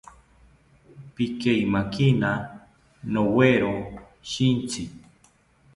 Pikeimakina nowero shintzi